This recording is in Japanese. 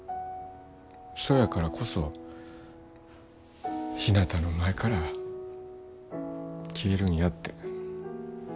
そやからこそひなたの前から消えるんやって。